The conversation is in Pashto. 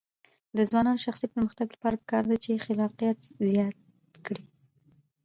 د ځوانانو د شخصي پرمختګ لپاره پکار ده چې خلاقیت زیات کړي.